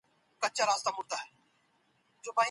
په مجلو کي به مې مرکي لوستلې.